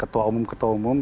ketua umum ketua umum